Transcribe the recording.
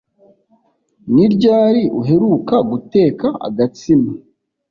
Ni ryari uheruka guteka agatsima?